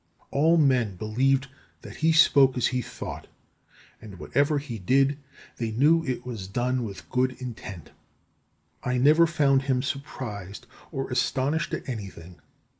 All men believed that he spoke as he thought; and whatever he did, they knew it was done with good intent. I never found him surprised or astonished at anything.